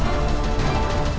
ya ini udah berakhir